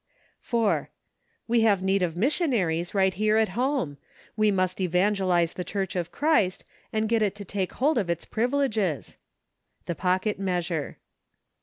4. TYe have need of missionaries right here at home; we must evangelize the church of Christ, and get it to take hold of its privileges! The Pocket Measure.